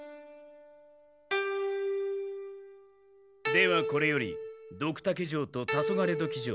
ではこれよりドクタケ城とタソガレドキ城